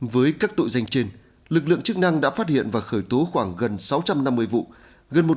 với các tội danh trên lực lượng chức năng đã phát hiện và khởi tố khoảng gần sáu trăm năm mươi vụ